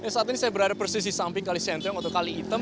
saat ini saya berada persis di samping kali sentrum atau kali item